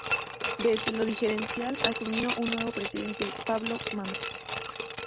Desde lo dirigencial, asumió un nuevo presidente, Pablo Mamet.